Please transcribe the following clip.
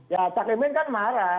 ya cak imin kan marah